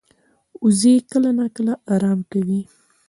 وزې کله ناکله آرام کوي